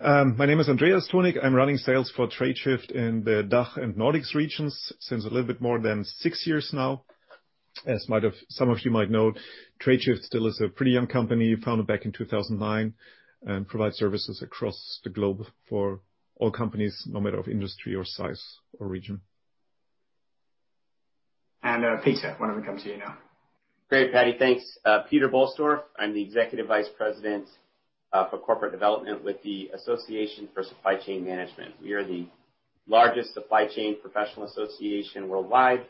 My name is Andreas Thonig. I'm running sales for Tradeshift in the DACH and Nordics regions since a little bit more than six years now. As some of you might know, Tradeshift still is a pretty young company, founded back in 2009, and provides services across the globe for all companies, no matter of industry or size or region. Peter, why don't we come to you now? Great, Paddy. Thanks. Peter Bolstorff. I'm the Executive Vice President for Corporate Development with the Association for Supply Chain Management. We are the largest supply chain professional association worldwide.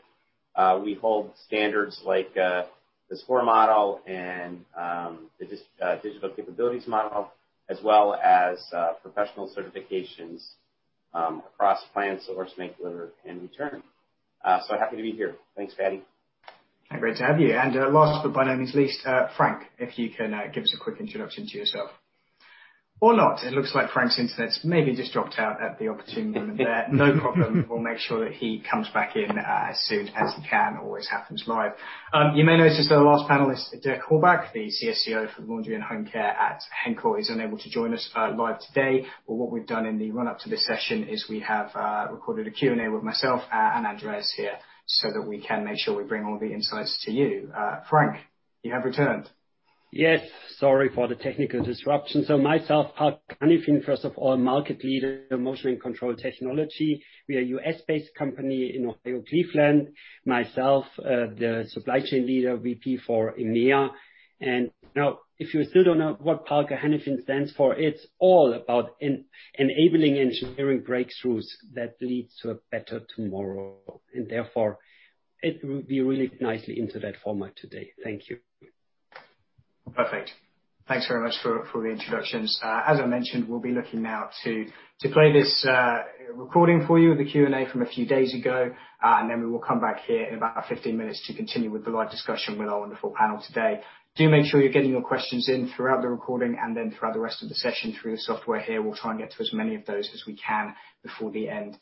We hold standards like the SCOR model and the Digital Capabilities Model, as well as professional certifications across Plan, Source, Make, Deliver, and Return or as spoken. So happy to be here. Thanks, Paddy. Great to have you. And last but by no means least, Frank, if you can give us a quick introduction to yourself. Or not. It looks like Frank's internet's maybe just dropped out at the opportune moment there. No problem. We'll make sure that he comes back in as soon as he can. Always happens live. You may notice that our last panelist, Dirk Holbach, the CSCO for Laundry and Home Care at Henkel, is unable to join us live today. But what we've done in the run-up to this session is we have recorded a Q&A with myself and Andreas here so that we can make sure we bring all the insights to you. Frank, you have returned. Yes. Sorry for the technical disruption. So myself, Parker Hannifin, first of all, market leader in motion and control technology. We are a U.S.-based company in Cleveland, Ohio. Myself, the supply chain leader, VP for EMEA. And now, if you still don't know what Parker Hannifin stands for, it's all about enabling engineering breakthroughs that lead to a better tomorrow. And therefore, it will be really nicely into that format today. Thank you. Perfect. Thanks very much for the introductions. As I mentioned, we'll be looking now to play this recording for you, the Q&A from a few days ago. And then we will come back here in about 15 minutes to continue with the live discussion with our wonderful panel today. Do make sure you're getting your questions in throughout the recording and then throughout the rest of the session through the software here. We'll try and get to as many of those as we can before the end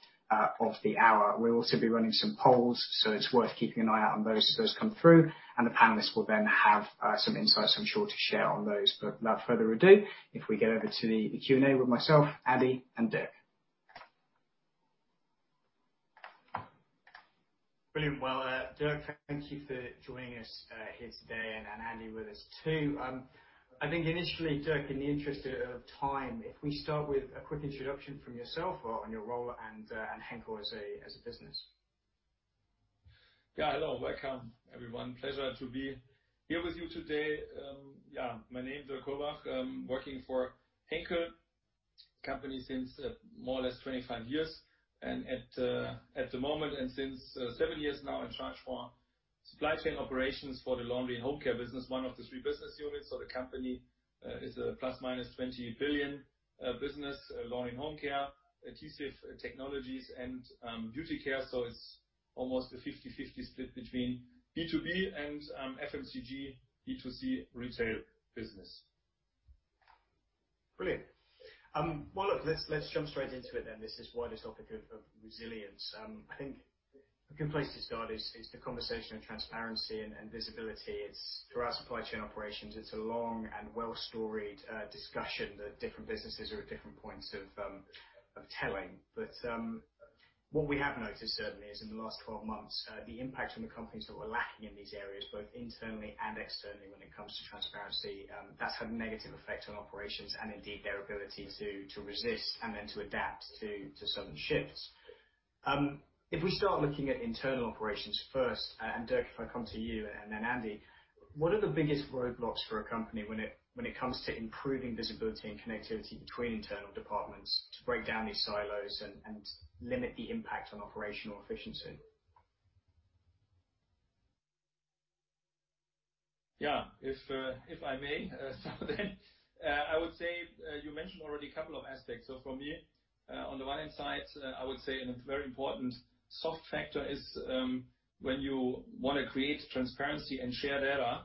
of the hour. We'll also be running some polls, so it's worth keeping an eye out on those as those come through. And the panelists will then have some insights, I'm sure, to share on those. But without further ado, if we get over to the Q&A with myself, Andreas, and Dirk. Brilliant. Dirk, thank you for joining us here today, and Andreas with us too. I think initially, Dirk, in the interest of time, if we start with a quick introduction from yourself on your role and Henkel as a business. Yeah, hello. Welcome, everyone. Pleasure to be here with you today. Yeah, my name is Dirk Holbach. I'm working for Henkel company since more or less 25 years. And at the moment, and since seven years now, in charge for supply chain operations for the Laundry and Home Care business, one of the three business units. The company is a plus or minus Euro 20 billion business: Laundry and Home Care, Adhesive Technologies, and Beauty Care. It's almost a 50/50 split between B2B and FMCG B2C retail business. Brilliant. Well, look, let's jump straight into it then. This is a wide topic of resilience. I think a good place to start is the conversation of transparency and visibility. Throughout supply chain operations, it's a long and well-storied discussion that different businesses are at different points of telling. But what we have noticed, certainly, is in the last 12 months, the impact on the companies that were lacking in these areas, both internally and externally when it comes to transparency, that's had a negative effect on operations and indeed their ability to resist and then to adapt to sudden shifts. If we start looking at internal operations first, and Dirk, if I come to you, and then Andreas, what are the biggest roadblocks for a company when it comes to improving visibility and connectivity between internal departments to break down these silos and limit the impact on operational efficiency? Yeah, if I may, so then I would say you mentioned already a couple of aspects, so for me, on the one hand side, I would say a very important soft factor is when you want to create transparency and share data,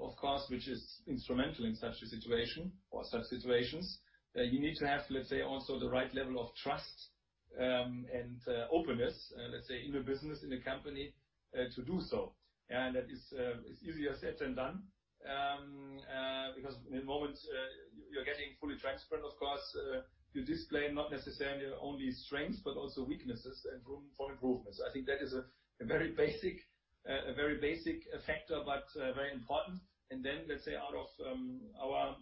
of course, which is instrumental in such a situation or such situations, you need to have, let's say, also the right level of trust and openness, let's say, in the business, in the company to do so, and that is easier said than done because in the moment, you're getting fully transparent, of course. You display not necessarily only strengths, but also weaknesses and room for improvement, so I think that is a very basic factor, but very important. And then, let's say, out of our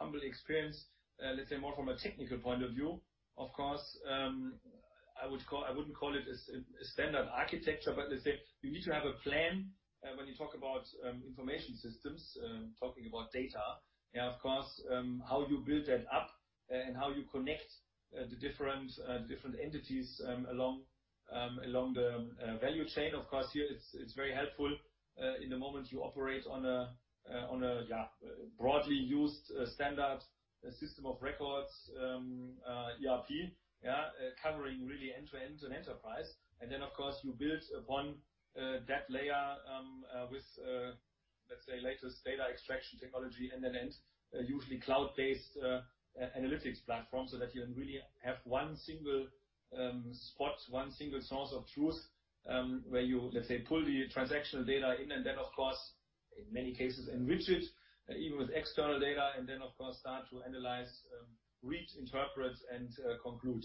humble experience, let's say, more from a technical point of view, of course, I wouldn't call it a standard architecture, but let's say you need to have a plan when you talk about information systems, talking about data. Yeah, of course, how you build that up and how you connect the different entities along the value chain. Of course, here, it's very helpful in the moment you operate on a broadly used standard system of records, ERP, covering really end-to-end an enterprise. Then, of course, you build upon that layer with, let's say, latest data extraction technology end-to-end, usually cloud-based analytics platform so that you really have one single spot, one single source of truth where you, let's say, pull the transactional data in and then, of course, in many cases, enrich it even with external data and then, of course, start to analyze, read, interpret, and conclude.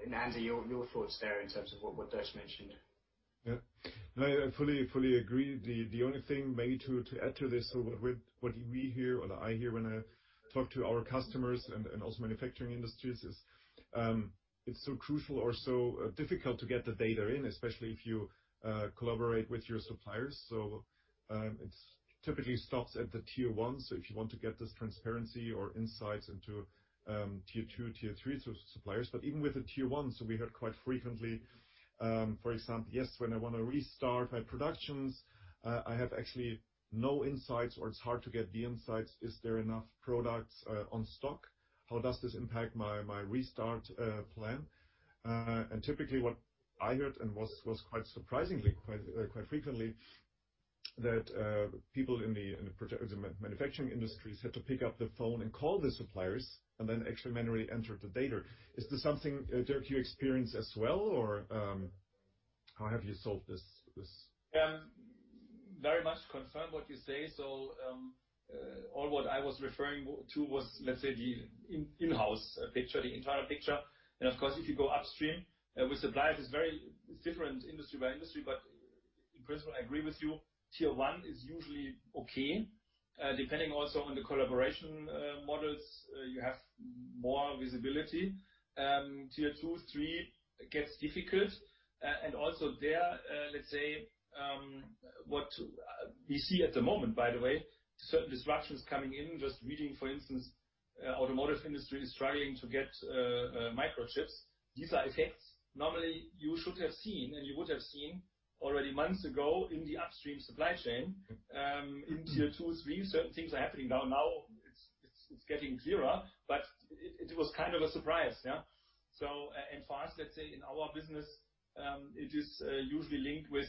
Andreas, your thoughts there in terms of what Dirk mentioned? Yeah. No, I fully agree. The only thing maybe to add to this, so what we hear or I hear when I talk to our customers and also manufacturing industries is it's so crucial or so difficult to get the data in, especially if you collaborate with your suppliers. So it typically stops at the Tier 1. So if you want to get this transparency or insights into Tier 2, Tier 3 suppliers. But even with the Tier 1, so we heard quite frequently, for example, yes, when I want to restart my productions, I have actually no insights or it's hard to get the insights. Is there enough products in stock? How does this impact my restart plan? Typically, what I heard and was quite surprisingly quite frequently that people in the manufacturing industries had to pick up the phone and call the suppliers and then manually enter the data. Is this something, Dirk, you experience as well, or how have you solved this? Yeah, I very much confirm what you say, so all that I was referring to was, let's say, the in-house picture, the entire picture, and of course, if you go upstream with suppliers, it's different industry by industry, but in principle, I agree with you. Tier 1 is usually okay. Depending also on the collaboration models, you have more visibility. Tier 2, 3 gets difficult, and also there, let's say, what we see at the moment, by the way, certain disruptions coming in. Just reading, for instance, the automotive industry is struggling to get microchips. These are effects normally you should have seen and you would have seen already months ago in the upstream supply chain. In Tier 2, 3, certain things are happening now. Now it's getting clearer, but it was kind of a surprise. Yeah. For us, let's say, in our business, it is usually linked with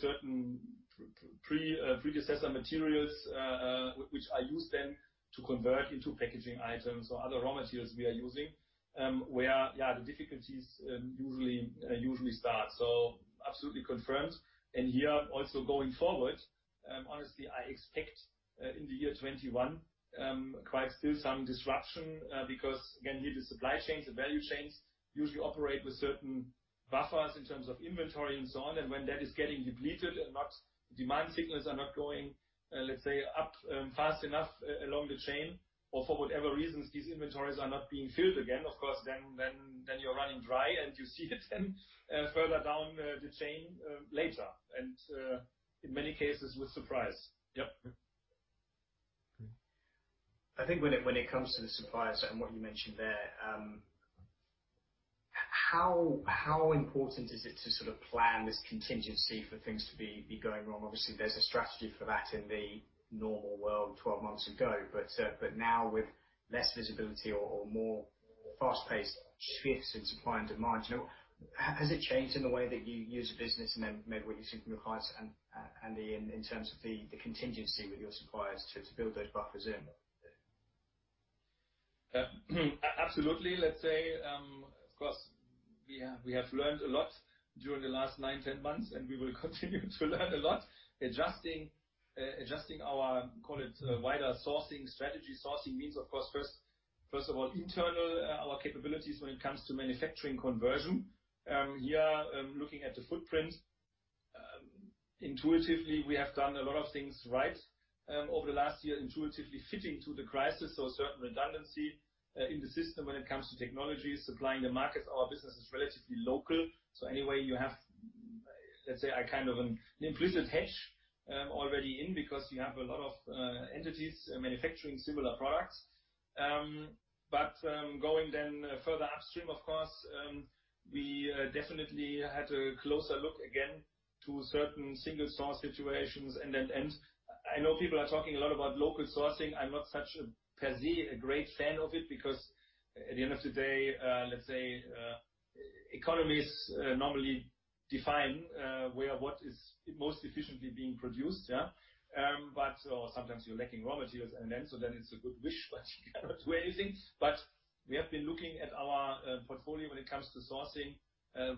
certain predecessor materials which are used then to convert into packaging items or other raw materials we are using where the difficulties usually start. So absolutely confirmed. And here, also going forward, honestly, I expect in the year 2021 quite still some disruption because, again, here, the supply chains and value chains usually operate with certain buffers in terms of inventory and so on. And when that is getting depleted and demand signals are not going, let's say, up fast enough along the chain or for whatever reasons, these inventories are not being filled again, of course, then you're running dry and you see it then further down the chain later and in many cases with surprise. Yep. I think when it comes to the suppliers and what you mentioned there, how important is it to sort of plan this contingency for things to be going wrong? Obviously, there's a strategy for that in the normal world 12 months ago. But now, with less visibility or more fast-paced shifts in supply and demand, has it changed in the way that you use a business and then maybe what you see from your clients, Andreas, in terms of the contingency with your suppliers to build those buffers in? Absolutely. Let's say, of course, we have learned a lot during the last nine, 10 months, and we will continue to learn a lot, adjusting our, call it, wider sourcing strategy. Sourcing means, of course, first of all, internal, our capabilities when it comes to manufacturing conversion. Here, looking at the footprint, intuitively, we have done a lot of things right over the last year intuitively fitting to the crisis, so certain redundancy in the system when it comes to technology, supplying the markets, our business is relatively local, so anyway, you have, let's say, I kind of an implicit hedge already in because you have a lot of entities manufacturing similar products. But going then further upstream, of course, we definitely had a closer look again to certain single source situations, and I know people are talking a lot about local sourcing. I'm not such a per se a great fan of it because at the end of the day, let's say, economies normally define where what is most efficiently being produced. Yeah, but sometimes you're lacking raw materials and then, so then it's a good wish, but you cannot do anything. But we have been looking at our portfolio when it comes to sourcing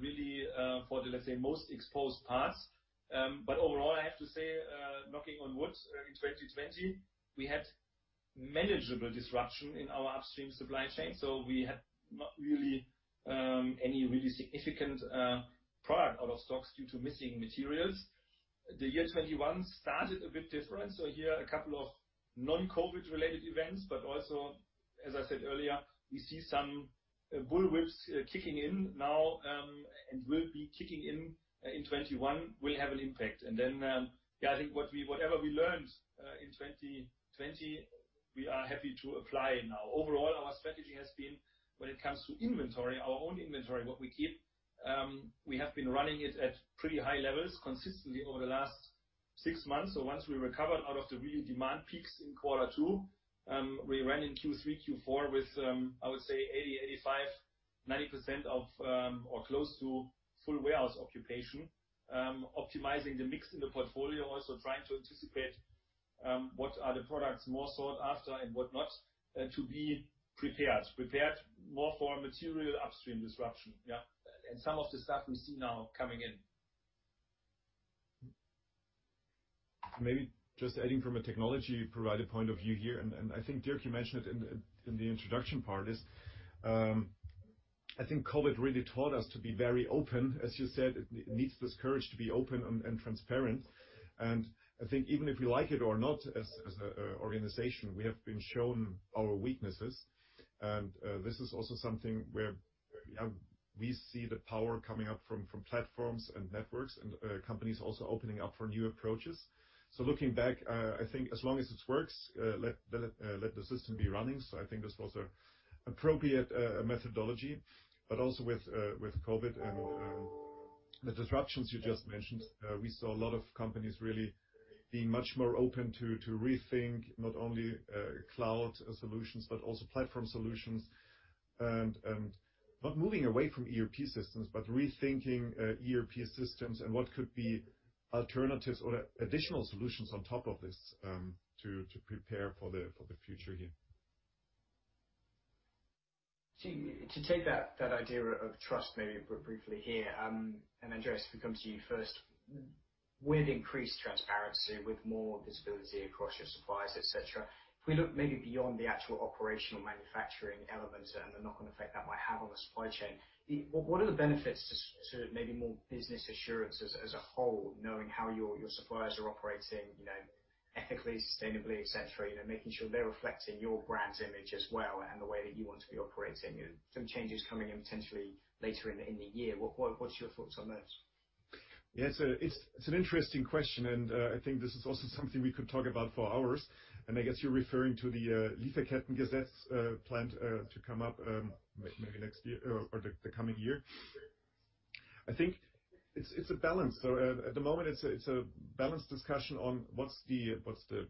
really for the, let's say, most exposed parts. But overall, I have to say, knocking on wood, in 2020, we had manageable disruption in our upstream supply chain. So we had not really any really significant product out of stocks due to missing materials. The year 2021 started a bit different, so here, a couple of non-COVID-related events, but also, as I said earlier, we see some bullwhips kicking in now and will be kicking in in 2021 will have an impact. And then, yeah, I think whatever we learned in 2020, we are happy to apply now. Overall, our strategy has been when it comes to inventory, our own inventory, what we keep, we have been running it at pretty high levels consistently over the last six months. So once we recovered out of the really demand peaks in quarter two, we ran in Q3, Q4 with, I would say, 80%, 85%, 90% of or close to full warehouse occupation, optimizing the mix in the portfolio, also trying to anticipate what are the products more sought after and what not to be prepared more for material upstream disruption. Yeah. And some of the stuff we see now coming in. Maybe just adding from a technology-provided point of view here. And I think, Dirk, you mentioned it in the introduction part, is I think COVID really taught us to be very open. As you said, it needs this courage to be open and transparent. And I think even if we like it or not, as an organization, we have been shown our weaknesses. And this is also something where we see the power coming up from platforms and networks and companies also opening up for new approaches. So looking back, I think as long as it works, let the system be running. So I think this was an appropriate methodology. But also with COVID and the disruptions you just mentioned, we saw a lot of companies really being much more open to rethink not only cloud solutions, but also platform solutions. Not moving away from ERP systems, but rethinking ERP systems and what could be alternatives or additional solutions on top of this to prepare for the future here. To take that idea of trust maybe briefly here, and Andreas, if we come to you first, with increased transparency, with more visibility across your suppliers, etc., if we look maybe beyond the actual operational manufacturing elements and the knock-on effect that might have on the supply chain, what are the benefits to maybe more business assurances as a whole, knowing how your suppliers are operating ethically, sustainably, etc., making sure they're reflecting your brand's image as well and the way that you want to be operating? Some changes coming in potentially later in the year. What's your thoughts on those? Yeah, it's an interesting question. And I think this is also something we could talk about for hours. And I guess you're referring to the Lieferkettengesetz plan to come up maybe next year or the coming year. I think it's a balance. So at the moment, it's a balanced discussion on what's the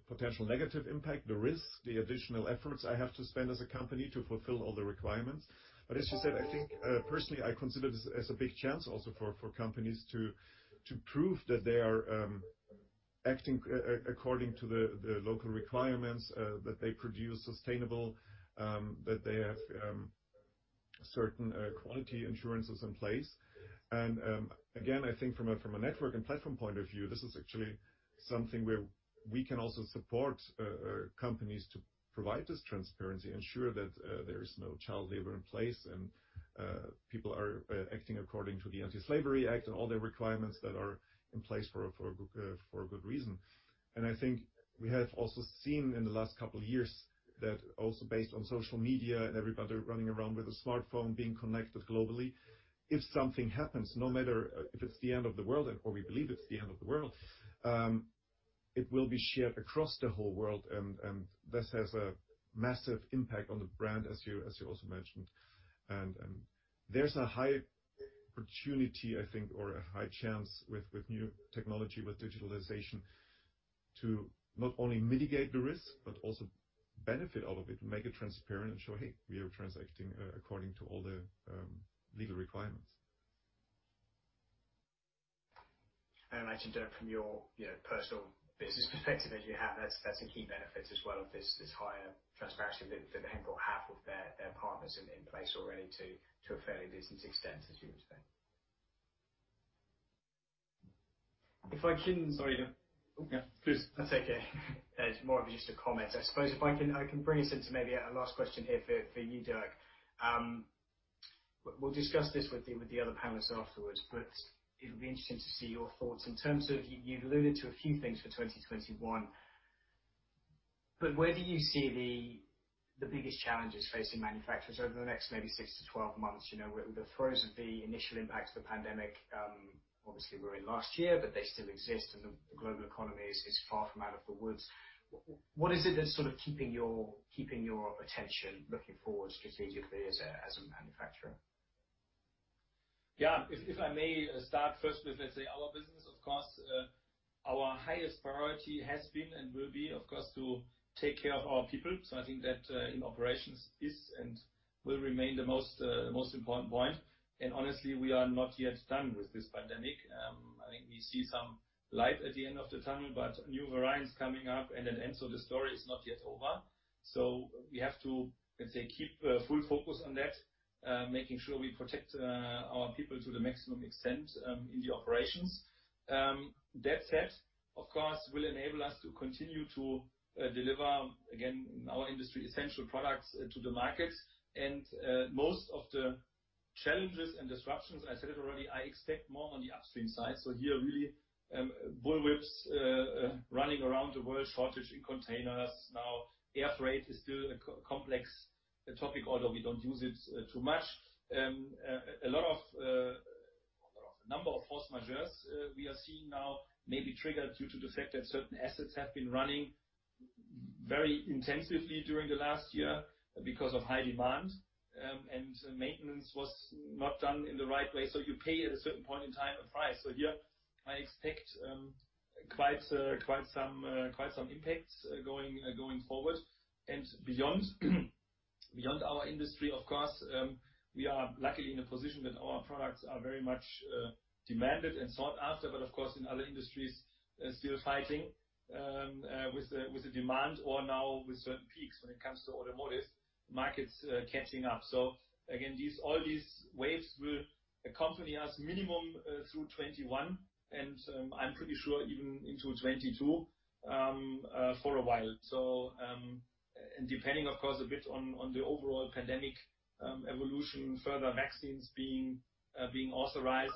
potential negative impact, the risk, the additional efforts I have to spend as a company to fulfill all the requirements. But as you said, I think personally, I consider this as a big chance also for companies to prove that they are acting according to the local requirements, that they produce sustainable, that they have certain quality assurances in place. And again, I think from a network and platform point of view, this is actually something where we can also support companies to provide this transparency, ensure that there is no child labor in place and people are acting according to the Modern Slavery Act and all their requirements that are in place for a good reason. And I think we have also seen in the last couple of years that also based on social media and everybody running around with a smartphone being connected globally, if something happens, no matter if it's the end of the world or we believe it's the end of the world, it will be shared across the whole world. And this has a massive impact on the brand, as you also mentioned. There's a high opportunity, I think, or a high chance with new technology, with digitalization, to not only mitigate the risk, but also benefit out of it and make it transparent and show, "Hey, we are transacting according to all the legal requirements. I mentioned from your personal business perspective, as you have, that's a key benefit as well of this higher transparency that Henkel have with their partners in place already to a fairly decent extent, as you would say. If I can, sorry. Yeah, please. That's okay. It's more of just a comment. I suppose if I can bring us into maybe a last question here for you, Dirk. We'll discuss this with the other panelists afterwards, but it'll be interesting to see your thoughts in terms of you've alluded to a few things for 2021. But where do you see the biggest challenges facing manufacturers over the next maybe six to 12 months? The unforeseen initial impacts of the pandemic, obviously that was last year, but they still exist and the global economy is far from out of the woods. What is it that's sort of keeping your attention looking forward strategically as a manufacturer? Yeah, if I may start first with, let's say, our business, of course, our highest priority has been and will be, of course, to take care of our people. I think that in operations is and will remain the most important point. And honestly, we are not yet done with this pandemic. I think we see some light at the end of the tunnel, but new variants coming up and so the story is not yet over. We have to, let's say, keep full focus on that, making sure we protect our people to the maximum extent in the operations. That said, of course, will enable us to continue to deliver, again, in our industry, essential products to the market. And most of the challenges and disruptions, I said it already, I expect more on the upstream side. So here, really, bullwhips running around the world, shortage in containers. Now, air freight is still a complex topic, although we don't use it too much. A number of force majeure events we are seeing now may be triggered due to the fact that certain assets have been running very intensively during the last year because of high demand and maintenance was not done in the right way. You pay at a certain point in time a price. Here, I expect quite some impacts going forward. Beyond our industry, of course, we are luckily in a position that our products are very much demanded and sought after, but of course, in other industries, still fighting with the demand or now with certain peaks when it comes to automotive markets catching up. All these waves will accompany us at minimum through 2021, and I'm pretty sure even into 2022 for a while. Depending, of course, a bit on the overall pandemic evolution, further vaccines being authorized,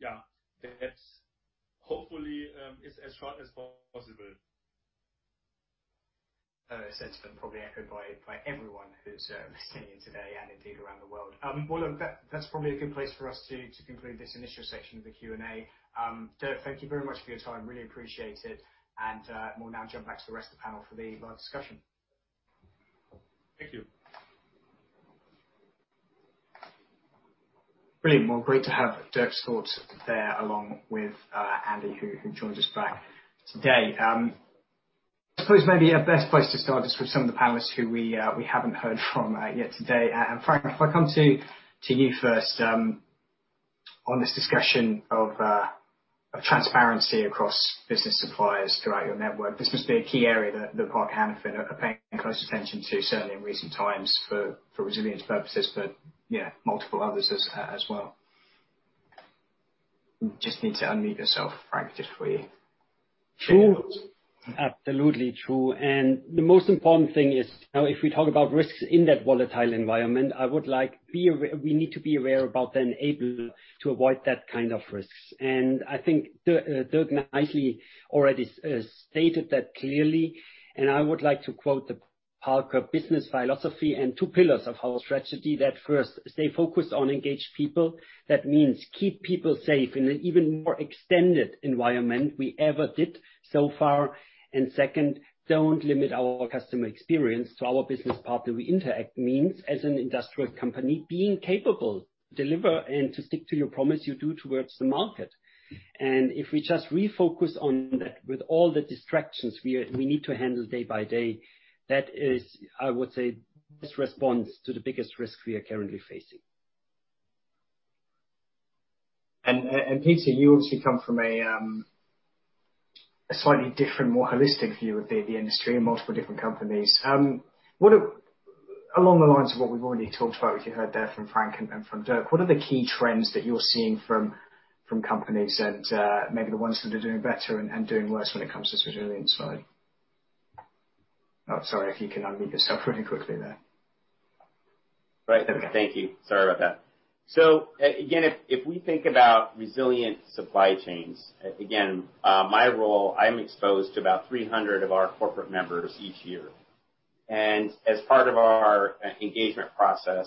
yeah, that hopefully is as short as possible. A sentiment probably echoed by everyone who's listening in today and indeed around the world. Well, that's probably a good place for us to conclude this initial section of the Q&A. Dirk, thank you very much for your time. Really appreciate it. And we'll now jump back to the rest of the panel for the discussion. Thank you. Brilliant. Well, great to have Dirk's thoughts there along with Andreas who joins us back today. I suppose maybe a best place to start is with some of the panelists who we haven't heard from yet today. And Frank, if I come to you first on this discussion of transparency across business suppliers throughout your network, this must be a key area that Parker Hannifin are paying close attention to, certainly in recent times for resilience purposes, but multiple others as well. Just need to unmute yourself, Frank, just for you. Absolutely true, and the most important thing is if we talk about risks in that volatile environment, I would like we need to be aware about the enabler to avoid that kind of risks, and I think Dirk nicely already stated that clearly, and I would like to quote the Parker business philosophy and two pillars of our strategy. That first, stay focused on engaged people. That means keep people safe in an even more extended environment we ever did so far, and second, don't limit our customer experience to our business partner we interact means as an industrial company being capable to deliver and to stick to your promise you do towards the market, and if we just refocus on that with all the distractions we need to handle day by day, that is, I would say, best response to the biggest risk we are currently facing. And Peter, you obviously come from a slightly different, more holistic view of the industry and multiple different companies. Along the lines of what we've already talked about, which you heard there from Frank and from Dirk, what are the key trends that you're seeing from companies and maybe the ones that are doing better and doing worse when it comes to resilience? Sorry if you can unmute yourself pretty quickly there. Right. Thank you. Sorry about that. So again, if we think about resilient supply chains, again, my role, I'm exposed to about 300 of our corporate members each year. And as part of our engagement process,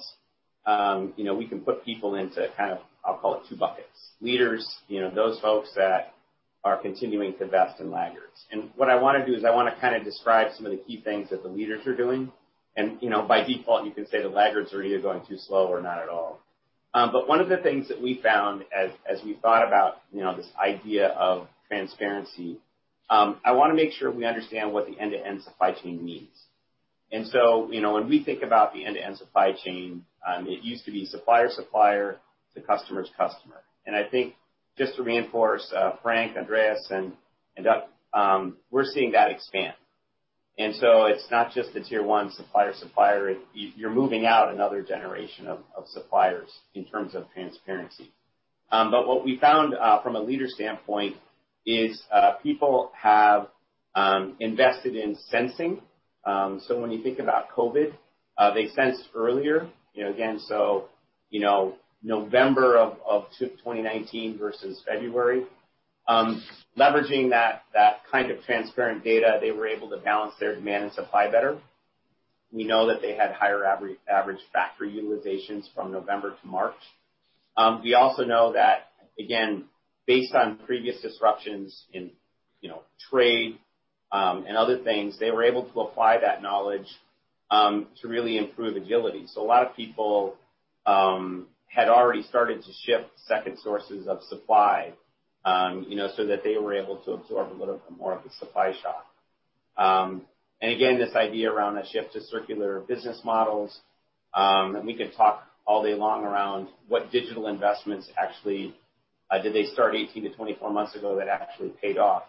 we can put people into kind of, I'll call it two buckets. Leaders, those folks that are continuing to invest, and laggards. And what I want to do is I want to kind of describe some of the key things that the leaders are doing. And by default, you can say the laggards are either going too slow or not at all. But one of the things that we found as we thought about this idea of transparency, I want to make sure we understand what the end-to-end supply chain means. And so when we think about the end-to-end supply chain, it used to be supplier's supplier to customer's customer. I think just to reinforce Frank, Andreas, and Doug, we're seeing that expand. So it's not just the Tier 1 supplier-supplier. You're moving out another generation of suppliers in terms of transparency. What we found from a leader standpoint is people have invested in sensing. When you think about COVID, they sensed earlier. Again, so November of 2019 versus February, leveraging that kind of transparent data, they were able to balance their demand and supply better. We know that they had higher average factory utilizations from November to March. We also know that, again, based on previous disruptions in trade and other things, they were able to apply that knowledge to really improve agility. A lot of people had already started to shift second sources of supply so that they were able to absorb a little bit more of the supply shock. And again, this idea around a shift to circular business models, and we can talk all day long around what digital investments actually did they start 18-24 months ago that actually paid off.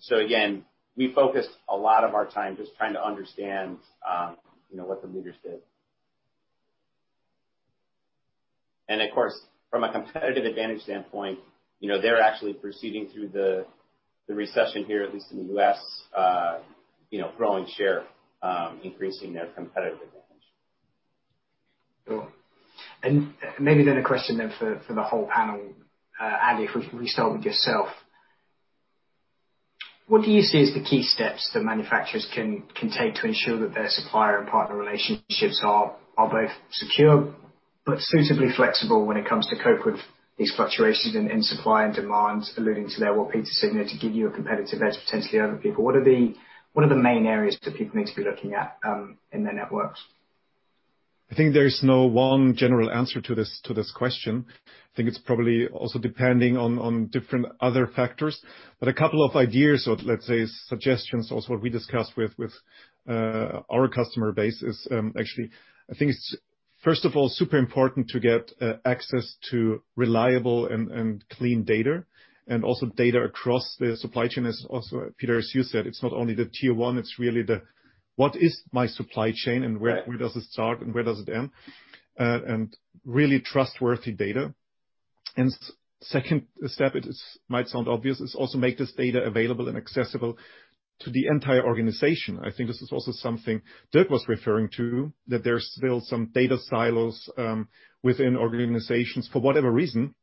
So again, we focused a lot of our time just trying to understand what the leaders did. And of course, from a competitive advantage standpoint, they're actually proceeding through the recession here, at least in the U.S., growing share, increasing their competitive advantage. Maybe then a question then for the whole panel, Andreas, if we start with yourself. What do you see as the key steps that manufacturers can take to ensure that their supplier and partner relationships are both secure but suitably flexible when it comes to cope with these fluctuations in supply and demand, alluding to what Peter said to give you a competitive edge potentially over people? What are the main areas that people need to be looking at in their networks? I think there's no one general answer to this question. I think it's probably also depending on different other factors. But a couple of ideas or, let's say, suggestions also what we discussed with our customer base is actually, I think it's, first of all, super important to get access to reliable and clean data and also data across the supply chain. As also Peter, as you said, it's not only the Tier 1, it's really the what is my supply chain and where does it start and where does it end? And really trustworthy data. And second step, it might sound obvious, is also make this data available and accessible to the entire organization. I think this is also something Dirk was referring to, that there's still some data silos within organizations for whatever reason.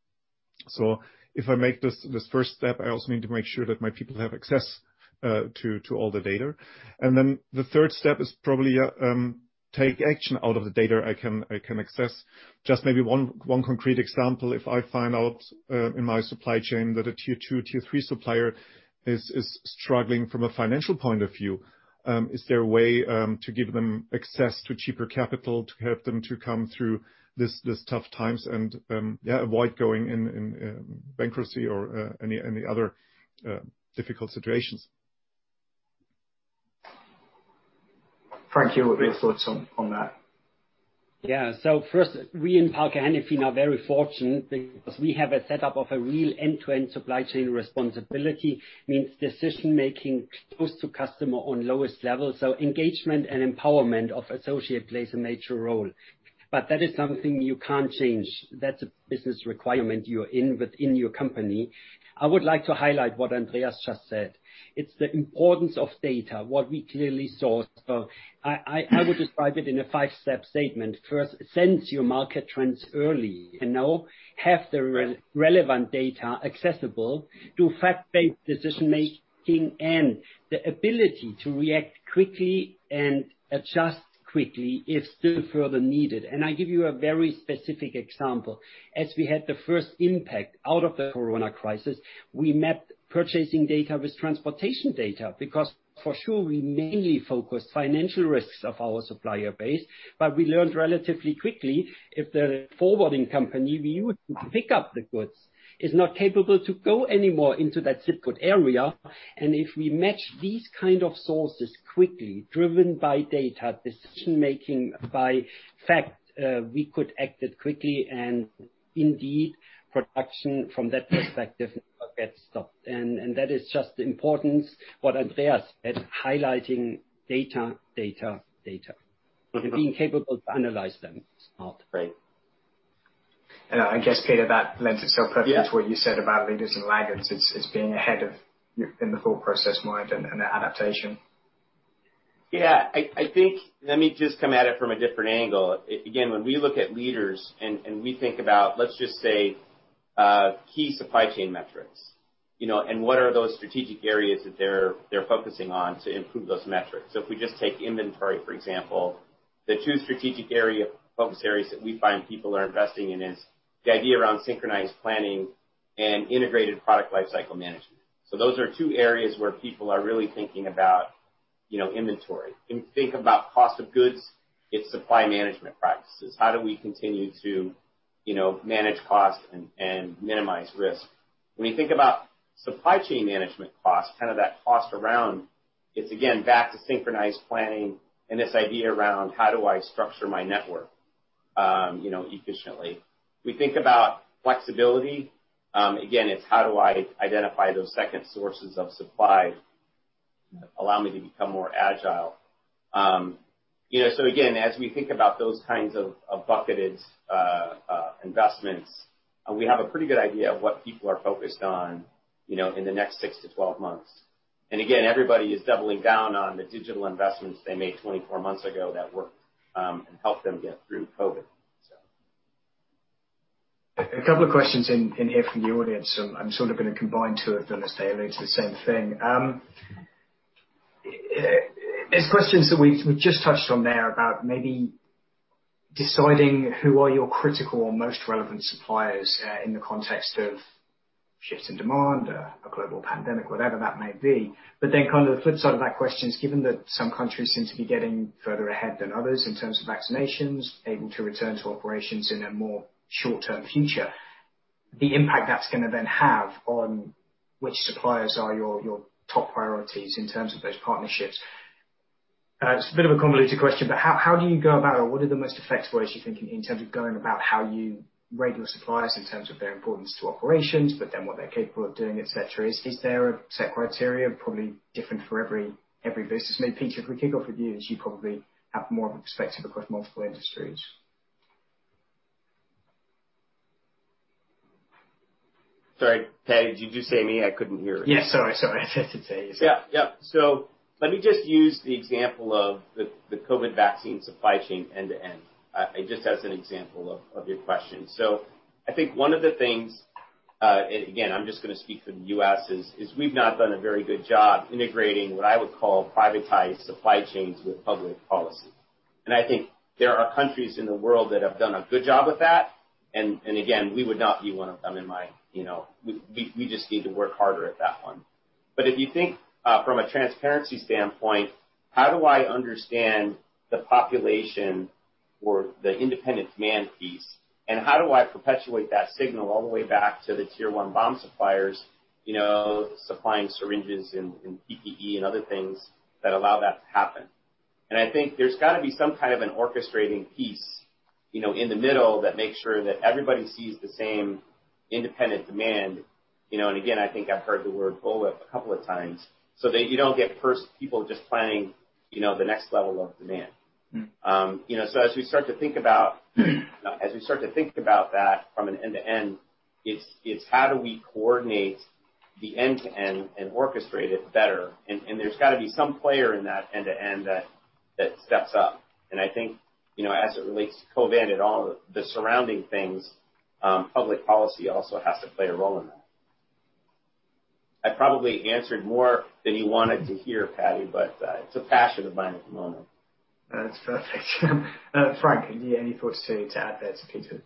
So if I make this first step, I also need to make sure that my people have access to all the data. And then the third step is probably take action out of the data I can access. Just maybe one concrete example, if I find out in my supply chain that a Tier 2, Tier 3 supplier is struggling from a financial point of view, is there a way to give them access to cheaper capital to help them to come through these tough times and avoid going in bankruptcy or any other difficult situations? Frank, your thoughts on that? Yeah. So first, we in Parker Hannifin are very fortunate because we have a setup of a real end-to-end supply chain responsibility, means decision-making close to customer on lowest level. So engagement and empowerment of associates plays a major role. But that is something you can't change. That's a business requirement you're in within your company. I would like to highlight what Andreas just said. It's the importance of data, what we clearly saw. So I would describe it in a five-step statement. First, sense your market trends early and know, have the relevant data accessible to fact-based decision-making and the ability to react quickly and adjust quickly if still further needed. And I give you a very specific example. As we had the first impact out of the Corona crisis, we mapped purchasing data with transportation data because, for sure, we mainly focused financial risks of our supplier base, but we learned relatively quickly if the forwarding company we used to pick up the goods is not capable to go anymore into that zip code area. And if we match these kind of sources quickly, driven by data, decision-making by fact, we could act quickly and indeed production from that perspective gets stopped. And that is just the importance, what Andreas said, highlighting data, data, data, and being capable to analyze them smart. Right. And I guess, Peter, that lends itself perfectly to what you said about leaders and laggards as being ahead in the thought process mind and adaptation. Yeah. I think, let me just come at it from a different angle. Again, when we look at leaders and we think about, let's just say, key supply chain metrics, and what are those strategic areas that they're focusing on to improve those metrics? So if we just take inventory, for example, the two strategic focus areas that we find people are investing in is the idea around Synchronized Planning and Integrated Product Lifecycle Management. So those are two areas where people are really thinking about inventory. Think about cost of goods, its supply management practices. How do we continue to manage cost and minimize risk? When you think about supply chain management cost, kind of that cost around, it's again back to Synchronized Planning and this idea around how do I structure my network efficiently? We think about flexibility. Again, it's how do I identify those second sources of supply that allow me to become more agile? So again, as we think about those kinds of bucketed investments, we have a pretty good idea of what people are focused on in the next 6 to 12 months. And again, everybody is doubling down on the digital investments they made 24 months ago that worked and helped them get through COVID. A couple of questions in here from the audience. I'm sort of going to combine two of them as they allude to the same thing. There's questions that we've just touched on there about maybe deciding who are your critical or most relevant suppliers in the context of shift in demand, a global pandemic, whatever that may be. But then kind of the flip side of that question is given that some countries seem to be getting further ahead than others in terms of vaccinations, able to return to operations in a more short-term future, the impact that's going to then have on which suppliers are your top priorities in terms of those partnerships. It's a bit of a convoluted question, but how do you go about it? What are the most effective ways you think in terms of going about how you rate your suppliers in terms of their importance to operations, but then what they're capable of doing, etc.? Is there a set criteria probably different for every business? Maybe Peter, if we kick off with you, as you probably have more of a perspective across multiple industries. Sorry, Paddy, did you just say me? I couldn't hear it. Yeah, sorry. Sorry. Yep. Yep. So let me just use the example of the COVID vaccine supply chain end-to-end just as an example of your question. So I think one of the things, again, I'm just going to speak for the U.S., is we've not done a very good job integrating what I would call private supply chains with public policy. And I think there are countries in the world that have done a good job with that. And again, we would not be one of them in my view, we just need to work harder at that one. But if you think from a transparency standpoint, how do I understand the population or the independent demand piece, and how do I perpetuate that signal all the way back to the Tier 1 BOM suppliers supplying syringes and PPE and other things that allow that to happen? And I think there's got to be some kind of an orchestrating piece in the middle that makes sure that everybody sees the same independent demand. And again, I think I've heard the word bullwhip a couple of times. So that you don't get people just planning the next level of demand. So as we start to think about that from an end-to-end, it's how do we coordinate the end-to-end and orchestrate it better? And there's got to be some player in that end-to-end that steps up. And I think as it relates to COVID and all the surrounding things, public policy also has to play a role in that. I probably answered more than you wanted to hear, Paddy, but it's a passionate line at the moment. That's perfect. Frank, any thoughts to add there to Peter?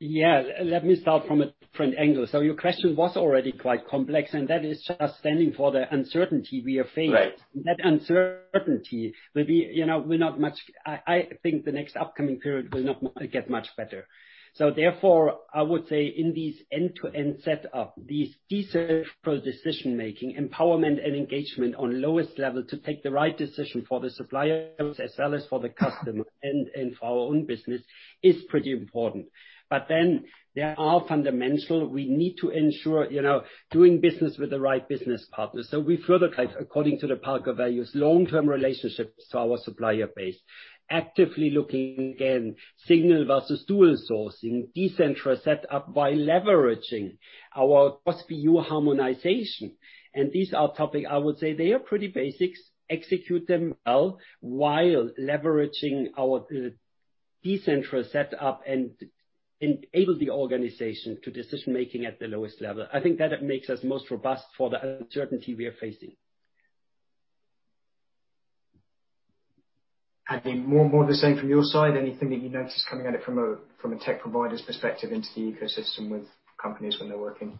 Yeah. Let me start from a different angle. So your question was already quite complex, and that is just standing for the uncertainty we are faced. That uncertainty will not much I think the next upcoming period will not get much better. So therefore, I would say in these end-to-end setup, these decentralized decision-making, empowerment, and engagement on lowest level to take the right decision for the suppliers as well as for the customer and for our own business is pretty important. But then there are fundamental we need to ensure doing business with the right business partners. So we further according to the Parker values, long-term relationships to our supplier base, actively looking again, single versus dual sourcing, decentralized setup by leveraging our cost-to-serve harmonization. These are topics, I would say they are pretty basic, execute them well while leveraging our decentralized setup and enable the organization to decision-making at the lowest level. I think that makes us most robust for the uncertainty we are facing. And more on the same from your side, anything that you notice coming at it from a tech provider's perspective into the ecosystem with companies when they're working?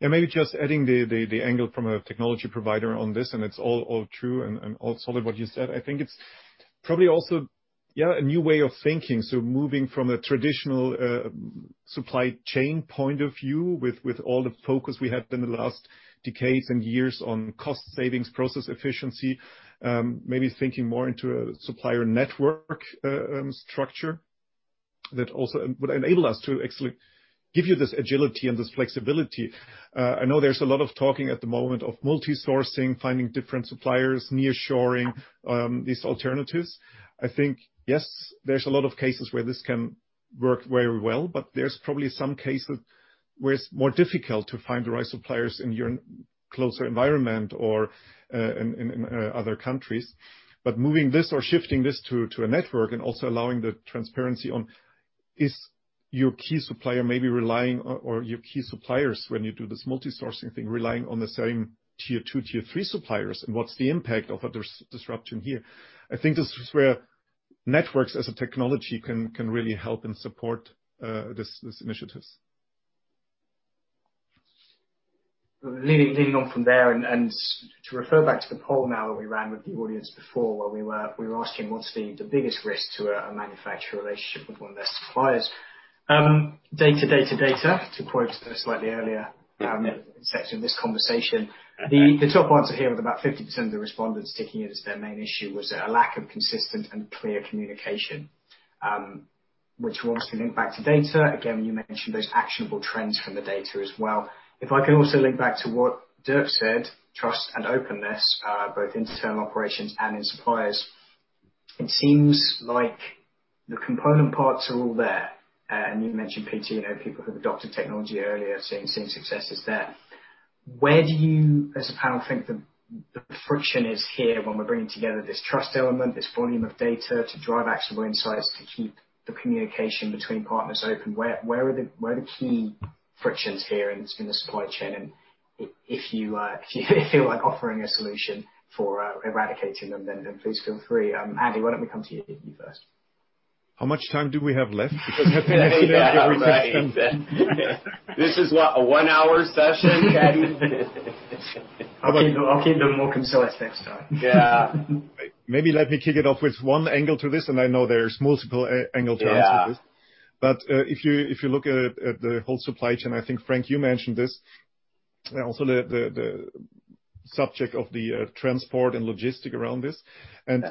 Yeah, maybe just adding the angle from a technology provider on this, and it's all true and all solid what you said. I think it's probably also, yeah, a new way of thinking. So moving from a traditional supply chain point of view with all the focus we had in the last decades and years on cost savings, process efficiency, maybe thinking more into a supplier network structure that also would enable us to actually give you this agility and this flexibility. I know there's a lot of talking at the moment of multi-sourcing, finding different suppliers, nearshoring these alternatives. I think, yes, there's a lot of cases where this can work very well, but there's probably some cases where it's more difficult to find the right suppliers in your closer environment or in other countries. But moving this or shifting this to a network and also allowing the transparency on is your key supplier maybe relying or your key suppliers when you do this multi-sourcing thing relying on the same Tier 2, Tier 3 suppliers and what's the impact of a disruption here? I think this is where networks as a technology can really help and support these initiatives. Leading off from there and to refer back to the poll now that we ran with the audience before where we were asking what's the biggest risk to a manufacturer relationship with one of their suppliers, data, data, data, to quote slightly earlier in this conversation. The top answer here with about 50% of the respondents ticking in as their main issue was a lack of consistent and clear communication, which obviously linked back to data. Again, you mentioned those actionable trends from the data as well. If I can also link back to what Dirk said, trust and openness, both internal operations and in suppliers, it seems like the component parts are all there, and you mentioned, Peter, people who have adopted technology earlier seeing successes there. Where do you, as a panel, think the friction is here when we're bringing together this trust element, this volume of data to drive actionable insights to keep the communication between partners open? Where are the key frictions here in the supply chain? And if you feel like offering a solution for eradicating them, then please feel free. Andreas, why don't we come to you first? How much time do we have left? This is what a one-hour session, Paddy. I'll keep them more concise next time. Yeah. Maybe let me kick it off with one angle to this, and I know there's multiple angles to answer this. But if you look at the whole supply chain, I think, Frank, you mentioned this, also the subject of the transport and logistics around this. And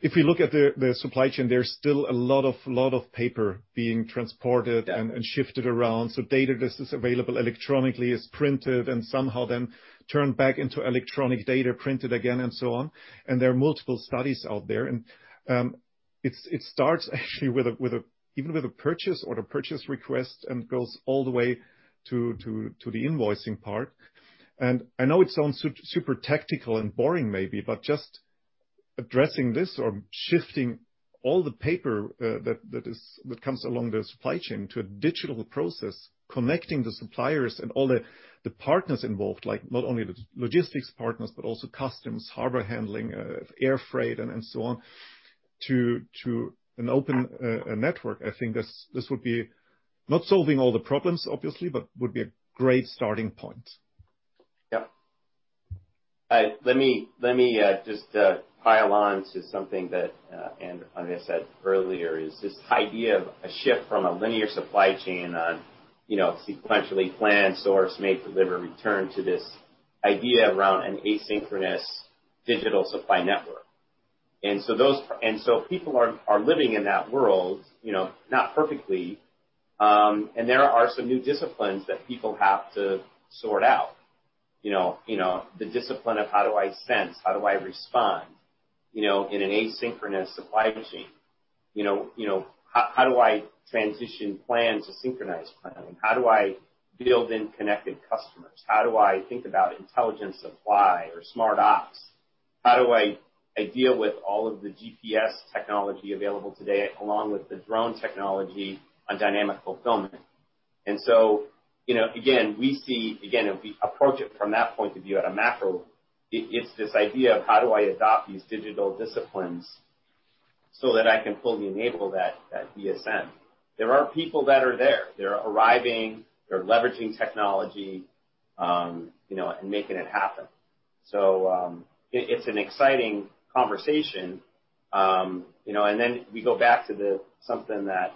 if we look at the supply chain, there's still a lot of paper being transported and shifted around. So data that is available electronically is printed and somehow then turned back into electronic data, printed again, and so on. And there are multiple studies out there. And it starts actually even with a purchase or the purchase request and goes all the way to the invoicing part. I know it sounds super tactical and boring maybe, but just addressing this or shifting all the paper that comes along the supply chain to a digital process, connecting the suppliers and all the partners involved, like not only the logistics partners, but also customs, harbor handling, air freight, and so on, to an open network, I think this would be not solving all the problems, obviously, but would be a great starting point. Yep. Let me just pile on to something that I said earlier is this idea of a shift from a linear supply chain on sequentially planned, source, make, deliver, return to this idea around an asynchronous digital supply network, and so people are living in that world, not perfectly, and there are some new disciplines that people have to sort out. The discipline of how do I sense, how do I respond in an asynchronous supply chain? How do I transition plan to Synchronized Planning? How do I build in Connected Customers? How do I think about Intelligent Supply or Smart Ops? How do I deal with all of the GPS technology available today along with the drone technology on Dynamic Fulfillment? And so again, we see, if we approach it from that point of view at a macro, it's this idea of how do I adopt these digital disciplines so that I can fully enable that DSN? There are people that are there. They're arriving. They're leveraging technology and making it happen. So it's an exciting conversation. And then we go back to something that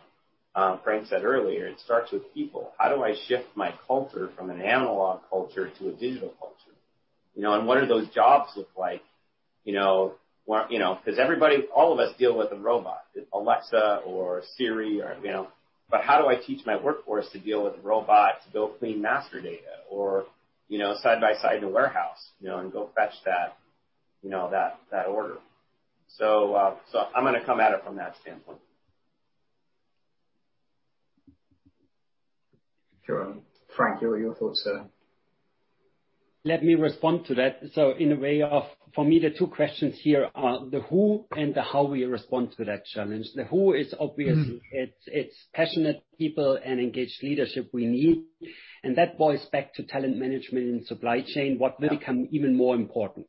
Frank said earlier. It starts with people. How do I shift my culture from an analog culture to a digital culture? And what do those jobs look like? Because all of us deal with a robot, Alexa or Siri, but how do I teach my workforce to deal with a robot, to go clean master data or side by side in a warehouse and go fetch that order? So I'm going to come at it from that standpoint. Sure. Frank, your thoughts there. Let me respond to that. So, in a way, for me, the two questions here are the who and the how we respond to that challenge. The who is obviously it's passionate people and engaged leadership we need. And that boils back to talent management in supply chain, what will become even more important?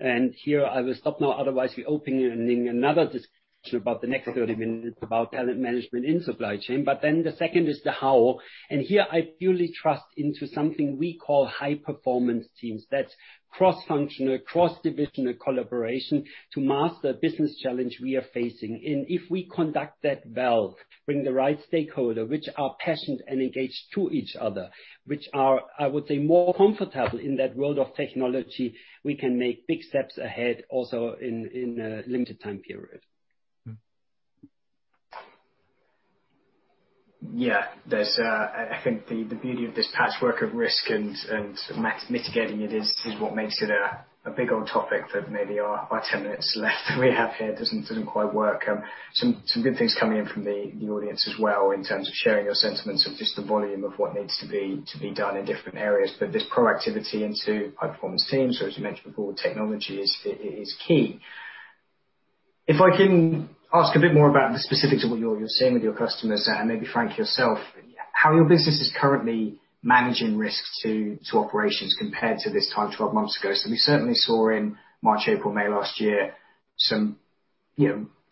And here I will stop now, otherwise we're opening another discussion about the next 30 minutes about talent management in supply chain. But then the second is the how. And here I purely trust into something we call high-performance teams. That's cross-functional, cross-divisional collaboration to master a business challenge we are facing. And if we conduct that well, bring the right stakeholder, which are passionate and engaged to each other, which are, I would say, more comfortable in that world of technology, we can make big steps ahead also in a limited time period. Yeah. I think the beauty of this patchwork of risk and mitigating it is what makes it a big old topic that maybe our 10 minutes left that we have here doesn't quite work. Some good things coming in from the audience as well in terms of sharing your sentiments of just the volume of what needs to be done in different areas, but this proactivity into high-performance teams, or as you mentioned before, technology is key. If I can ask a bit more about the specifics of what you're seeing with your customers and maybe Frank, yourself, how your business is currently managing risk to operations compared to this time 12 months ago, so we certainly saw in March, April, May last year some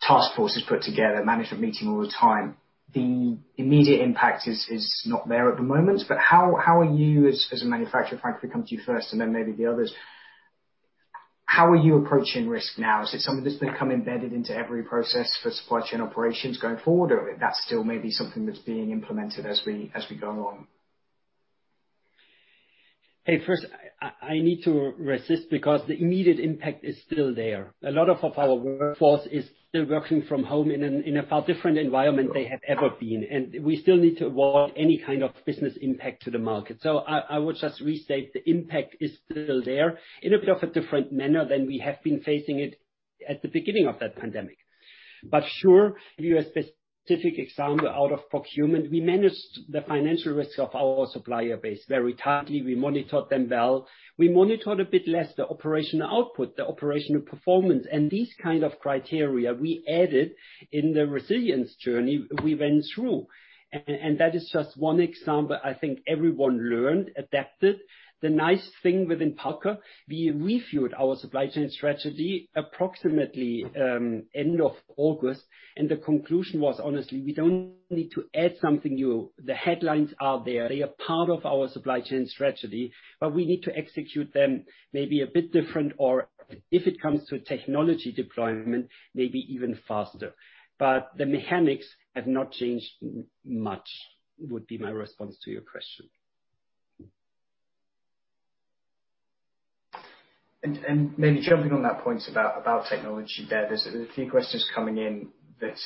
task forces put together, management meeting all the time. The immediate impact is not there at the moment. But how are you as a manufacturer, Frank, if we come to you first and then maybe the others, how are you approaching risk now? Is it something that's become embedded into every process for supply chain operations going forward, or that's still maybe something that's being implemented as we go along? Hey, first, I need to resist because the immediate impact is still there. A lot of our workforce is still working from home in a far different environment they have ever been. And we still need to avoid any kind of business impact to the market. So I would just restate the impact is still there in a bit of a different manner than we have been facing it at the beginning of that pandemic. But sure, give you a specific example out of procurement. We managed the financial risk of our supplier base very tightly. We monitored them well. We monitored a bit less the operational output, the operational performance. And these kinds of criteria we added in the resilience journey we went through. And that is just one example. I think everyone learned, adapted. The nice thing within Parker, we reviewed our supply chain strategy approximately end of August, and the conclusion was, honestly, we don't need to add something new. The headlines are there. They are part of our supply chain strategy, but we need to execute them maybe a bit different or if it comes to technology deployment, maybe even faster, but the mechanics have not changed much, would be my response to your question. And maybe jumping on that point about technology there, there's a few questions coming in that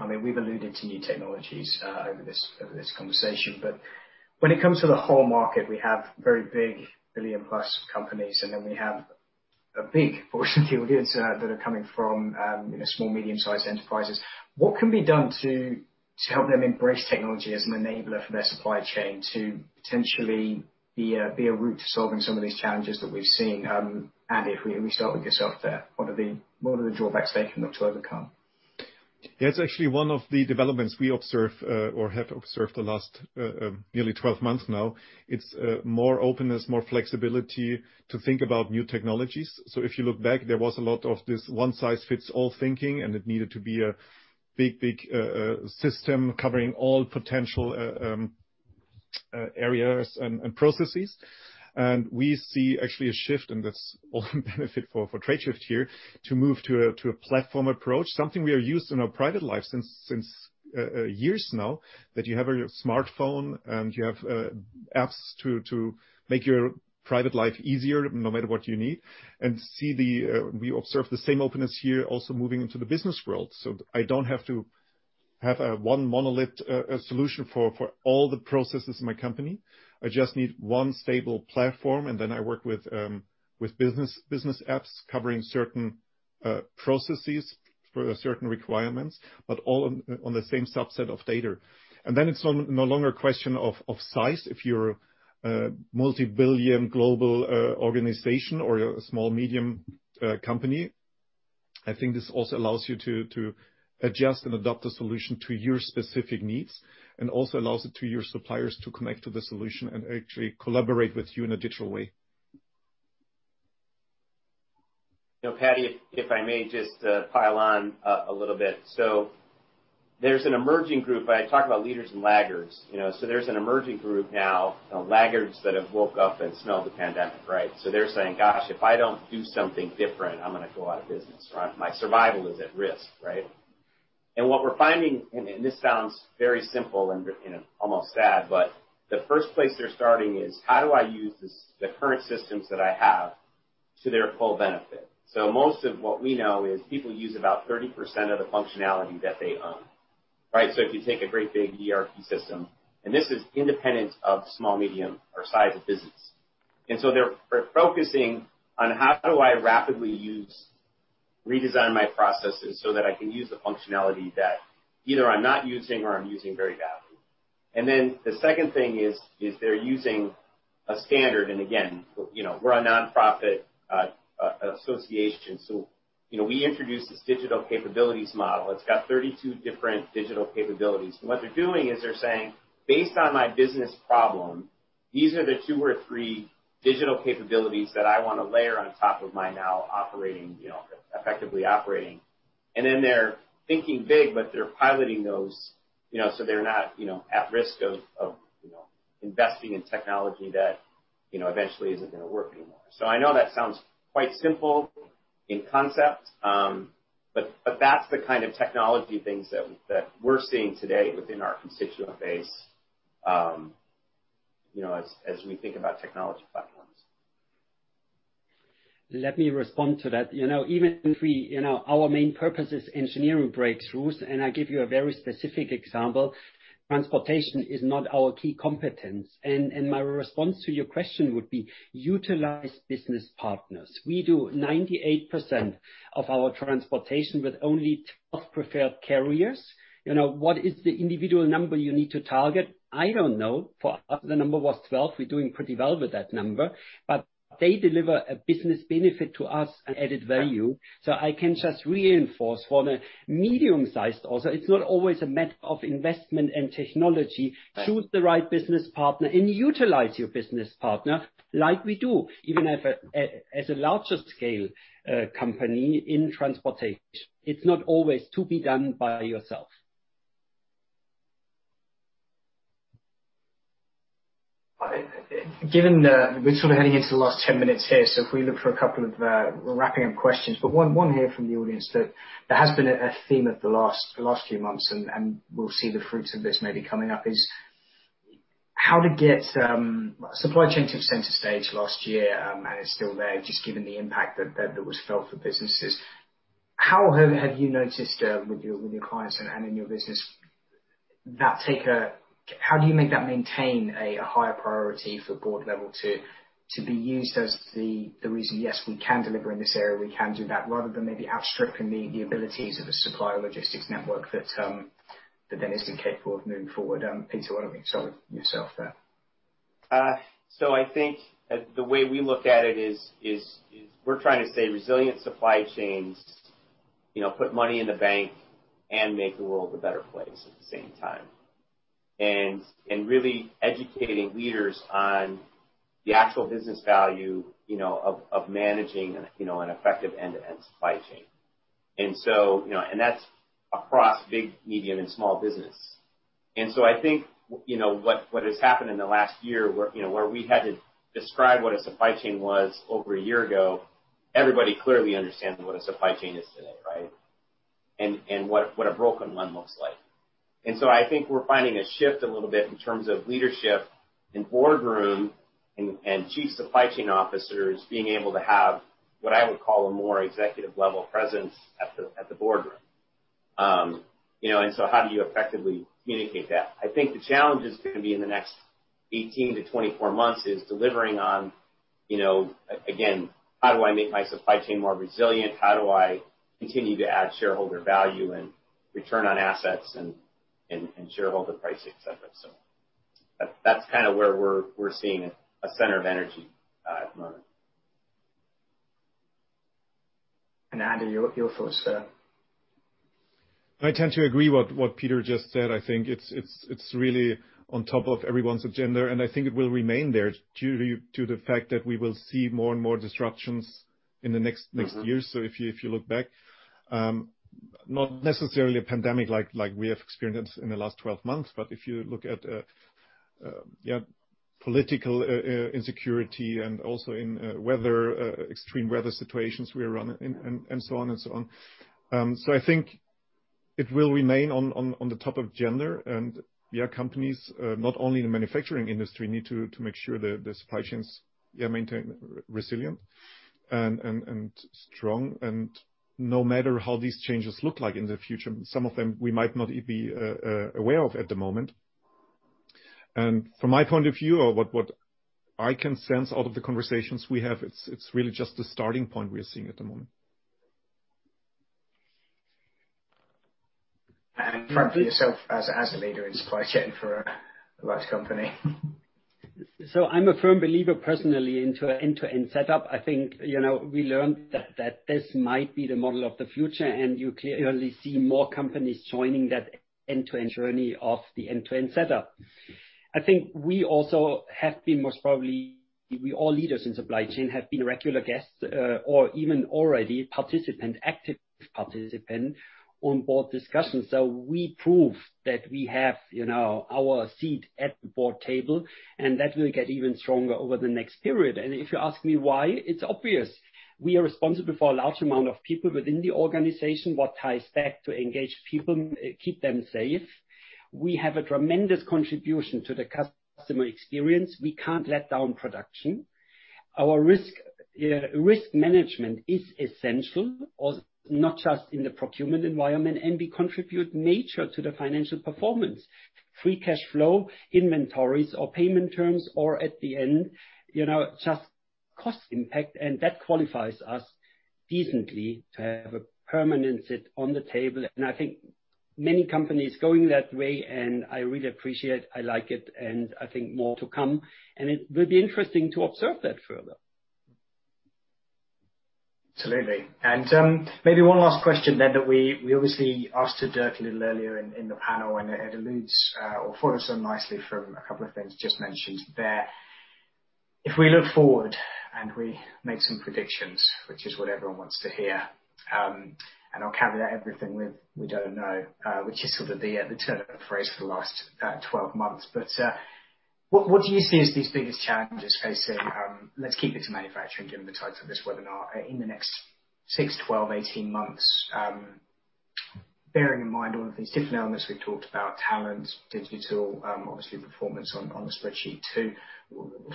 I mean, we've alluded to new technologies over this conversation. But when it comes to the whole market, we have very big billion-plus companies, and then we have a big, fortunately audience that are coming from small, medium-sized enterprises. What can be done to help them embrace technology as an enabler for their supply chain to potentially be a route to solving some of these challenges that we've seen? And if we start with yourself there, what are the drawbacks they can look to overcome? Yeah, it's actually one of the developments we observe or have observed the last nearly 12 months now. It's more openness, more flexibility to think about new technologies. So if you look back, there was a lot of this one-size-fits-all thinking, and it needed to be a big, big system covering all potential areas and processes. And we see actually a shift, and that's often benefit for Tradeshift here, to move to a platform approach, something we have used in our private life since years now, that you have a smartphone and you have apps to make your private life easier no matter what you need. And we observe the same openness here also moving into the business world. So I don't have to have a one monolith solution for all the processes in my company. I just need one stable platform, and then I work with business apps covering certain processes for certain requirements, but all on the same subset of data. And then it's no longer a question of size. If you're a multi-billion global organization or a small, medium company, I think this also allows you to adjust and adopt a solution to your specific needs and also allows it to your suppliers to connect to the solution and actually collaborate with you in a digital way. Paddy, if I may just pile on a little bit. So there's an emerging group. I talk about leaders and laggards. So there's an emerging group now, laggards that have woke up and smelled the pandemic, right? So they're saying, "Gosh, if I don't do something different, I'm going to go out of business or my survival is at risk," right? And what we're finding, and this sounds very simple and almost sad, but the first place they're starting is, "How do I use the current systems that I have to their full benefit?" So most of what we know is people use about 30% of the functionality that they own, right? So if you take a great big ERP system, and this is independent of small, medium, or large size of business. They're focusing on, "How do I rapidly redesign my processes so that I can use the functionality that either I'm not using or I'm using very badly?" The second thing is they're using a standard. Again, we're a nonprofit association. We introduced this Digital Capabilities Model. It's got 32 different digital capabilities. What they're doing is they're saying, "Based on my business problem, these are the two or three digital capabilities that I want to layer on top of my now effectively operating." They're thinking big, but they're piloting those so they're not at risk of investing in technology that eventually isn't going to work anymore. I know that sounds quite simple in concept, but that's the kind of technology things that we're seeing today within our constituent base as we think about technology platforms. Let me respond to that. Even if our main purpose is engineering breakthroughs, and I give you a very specific example, transportation is not our key competence. And my response to your question would be, utilize business partners. We do 98% of our transportation with only 12 preferred carriers. What is the individual number you need to target? I don't know. For us, the number was 12. We're doing pretty well with that number. But they deliver a business benefit to us and added value. So I can just reinforce for the medium-sized also, it's not always a matter of investment and technology. Choose the right business partner and utilize your business partner like we do, even as a larger scale company in transportation. It's not always to be done by yourself. Given that we're sort of heading into the last 10 minutes here, so if we look for a couple of wrapping up questions, but one here from the audience that has been a theme of the last few months, and we'll see the fruits of this maybe coming up, is how to get supply chain to center stage last year, and it's still there, just given the impact that was felt for businesses. How have you noticed with your clients and in your business that take a how do you make that maintain a higher priority for board level to be used as the reason, "Yes, we can deliver in this area. We can do that," rather than maybe outstripping the abilities of a supplier logistics network that then isn't capable of moving forward? Peter, why don't you start with yourself there? So I think the way we look at it is we're trying to say resilient supply chains put money in the bank and make the world a better place at the same time. And really educating leaders on the actual business value of managing an effective end-to-end supply chain. And that's across big, medium, and small business. And so I think what has happened in the last year where we had to describe what a supply chain was over a year ago, everybody clearly understands what a supply chain is today, right? And what a broken one looks like. And so I think we're finding a shift a little bit in terms of leadership and boardroom and chief supply chain officers being able to have what I would call a more executive-level presence at the boardroom. And so how do you effectively communicate that? I think the challenge is going to be in the next 18 to 24 months is delivering on, again, how do I make my supply chain more resilient? How do I continue to add shareholder value and return on assets and share pricing, etc.? So that's kind of where we're seeing a center of energy at the moment. Andreas, your thoughts there. I tend to agree with what Peter just said. I think it's really on top of everyone's agenda, and I think it will remain there due to the fact that we will see more and more disruptions in the next years, so if you look back, not necessarily a pandemic like we have experienced in the last 12 months, but if you look at political insecurity and also in extreme weather situations we are running and so on and so on, so I think it will remain on the top of agenda, and yeah, companies, not only in the manufacturing industry, need to make sure the supply chains are maintained resilient and strong, and no matter how these changes look like in the future, some of them we might not be aware of at the moment. From my point of view, or what I can sense out of the conversations we have, it's really just the starting point we're seeing at the moment. Frank, for yourself as a leader in supply chain for a large company. So I'm a firm believer personally into end-to-end setup. I think we learned that this might be the model of the future. And you clearly see more companies joining that end-to-end journey of the end-to-end setup. I think we also have been most probably, we all leaders in supply chain have been regular guests or even already participants, active participants on board discussions. So we prove that we have our seat at the board table, and that will get even stronger over the next period. And if you ask me why, it's obvious. We are responsible for a large amount of people within the organization, what ties back to engage people, keep them safe. We have a tremendous contribution to the customer experience. We can't let down production. Our risk management is essential, not just in the procurement environment, and we contribute major to the financial performance. Free cash flow, inventories or payment terms, or at the end, just cost impact. And that qualifies us decently to have a permanent seat on the table. And I think many companies going that way, and I really appreciate it. I like it. And I think more to come. And it will be interesting to observe that further. Absolutely. And maybe one last question then that we obviously asked to Dirk a little earlier in the panel, and it alludes or follows so nicely from a couple of things just mentioned there. If we look forward and we make some predictions, which is what everyone wants to hear, and I'll caveat everything with we don't know, which is sort of the turn of phrase for the last 12 months. But what do you see as these biggest challenges facing? Let's keep it to manufacturing, given the types of this webinar, in the next six, 12, 18 months, bearing in mind all of these different elements we've talked about, talent, digital, obviously performance on the spreadsheet too.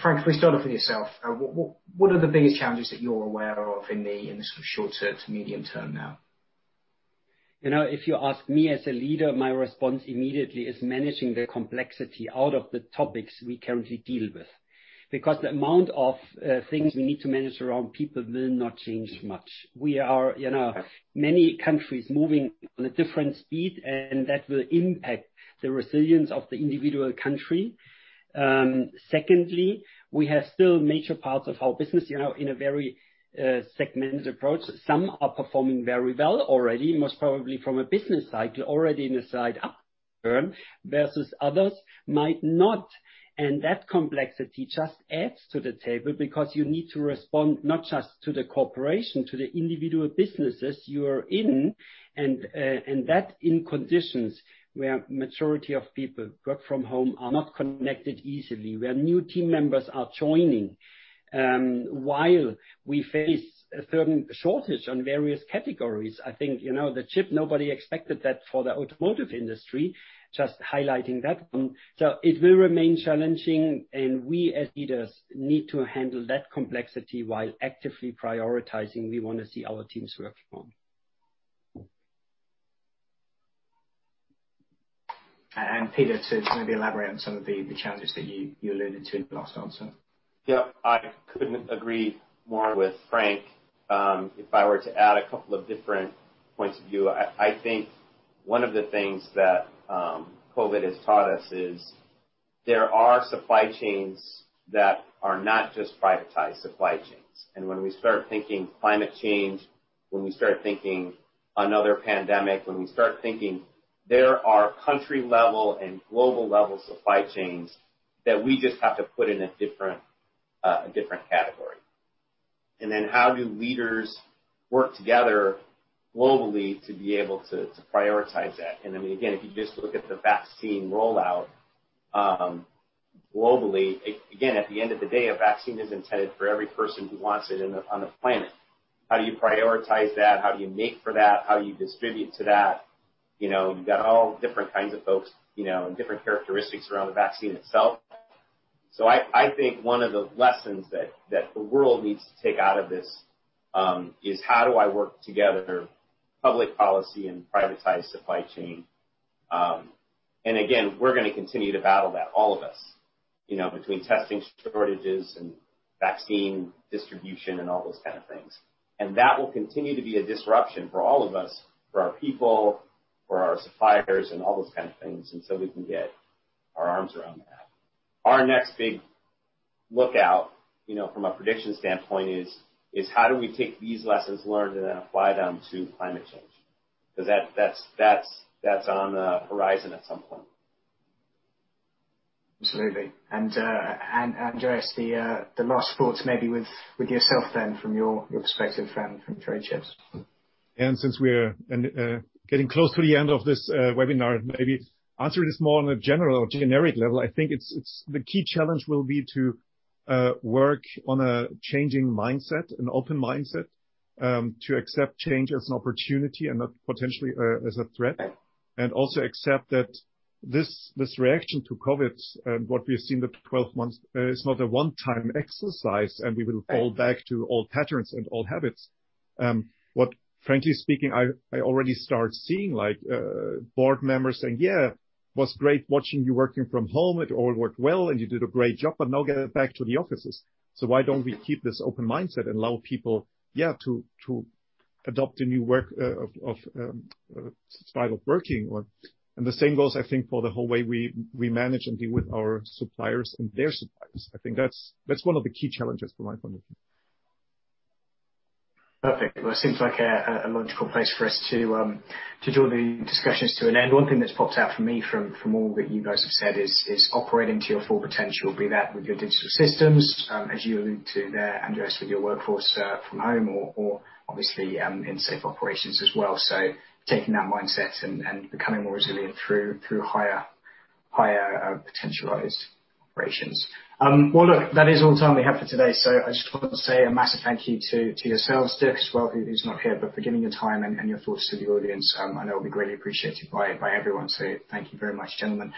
Frank, if we start off with yourself, what are the biggest challenges that you're aware of in the sort of short to medium term now? If you ask me as a leader, my response immediately is managing the complexity out of the topics we currently deal with. Because the amount of things we need to manage around people will not change much. We are many countries moving on a different speed, and that will impact the resilience of the individual country. Secondly, we have still major parts of our business in a very segmented approach. Some are performing very well already, most probably from a business cycle already in a slight upturn versus others might not. And that complexity just adds to the table because you need to respond not just to the corporation, to the individual businesses you are in, and that in conditions where the majority of people work from home are not connected easily, where new team members are joining. While we face a certain shortage on various categories, I think the chip shortage nobody expected that for the automotive industry, just highlighting that one. So it will remain challenging, and we as leaders need to handle that complexity while actively prioritizing we want to see our teams working on. And Peter to maybe elaborate on some of the challenges that you alluded to in the last answer. Yep. I couldn't agree more with Frank. If I were to add a couple of different points of view, I think one of the things that COVID has taught us is there are supply chains that are not just privatized supply chains. And when we start thinking climate change, when we start thinking another pandemic, when we start thinking there are country-level and global-level supply chains that we just have to put in a different category. And then how do leaders work together globally to be able to prioritize that? And I mean, again, if you just look at the vaccine rollout globally, again, at the end of the day, a vaccine is intended for every person who wants it on the planet. How do you prioritize that? How do you make for that? How do you distribute to that? You've got all different kinds of folks and different characteristics around the vaccine itself. So I think one of the lessons that the world needs to take out of this is how do I work together, public policy and privatized supply chain? And again, we're going to continue to battle that, all of us, between testing shortages and vaccine distribution and all those kinds of things. And that will continue to be a disruption for all of us, for our people, for our suppliers, and all those kinds of things. And so we can get our arms around that. Our next big lookout from a prediction standpoint is how do we take these lessons learned and then apply them to climate change? Because that's on the horizon at some point. Absolutely, and Andreas, the last thoughts maybe with yourself then from your perspective from Tradeshift. And since we're getting close to the end of this webinar, maybe answer this more on a general or generic level. I think the key challenge will be to work on a changing mindset, an open mindset to accept change as an opportunity and not potentially as a threat. And also accept that this reaction to COVID and what we've seen the 12 months is not a one-time exercise and we will fall back to old patterns and old habits. What, frankly speaking, I already start seeing like board members saying, "Yeah, it was great watching you working from home. It all worked well and you did a great job, but now get back to the offices." So why don't we keep this open mindset and allow people, yeah, to adopt a new style of working? The same goes, I think, for the whole way we manage and deal with our suppliers and their suppliers. I think that's one of the key challenges from my point of view. Perfect. It seems like a logical place for us to draw the discussions to an end. One thing that's popped out for me from all that you guys have said is operating to your full potential, be that with your digital systems, as you allude to there, Andreas, with your workforce from home or obviously in safe operations as well. Taking that mindset and becoming more resilient through higher potentialized operations. Look, that is all the time we have for today. I just want to say a massive thank you to yourselves, Dirk as well, who's not here, but for giving your time and your thoughts to the audience. I know it'll be greatly appreciated by everyone. Thank you very much, gentlemen.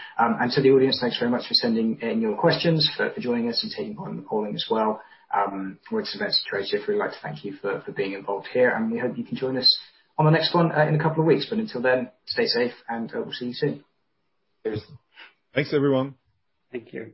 To the audience, thanks very much for sending in your questions, for joining us and taking part in the polling as well. For Accenture and Tradeshift, we'd like to thank you for being involved here. And we hope you can join us on the next one in a couple of weeks. But until then, stay safe and we'll see you soon. Cheers. Thanks, everyone. Thank you.